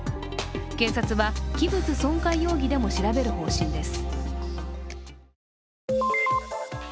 警察は器物損壊容疑でも調べる方針です。